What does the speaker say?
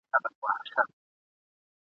هغه ګوتي په اور سوځي چي قلم یې چلولی !.